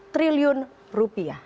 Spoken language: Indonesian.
dua tujuh triliun rupiah